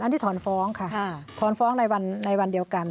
อันนี้ถอนฟ้องค่ะถอนฟ้องในวันเดียวกัน